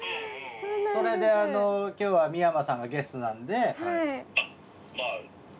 それで今日は美山さんがゲストなんで。